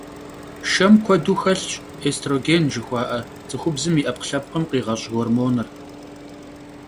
Шэм куэду хэлъщ эстроген жыхуаӀэ, цӀыхубзым и Ӏэпкълъэпкъым къигъэщӀ гормоныр.